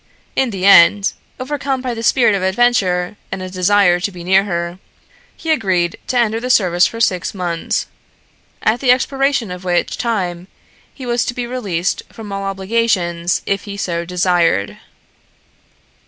In the end, overcome by the spirit of adventure and a desire to be near her, he agreed to enter the service for six months, at the expiration of which time he was to be released from all obligations if he so desired.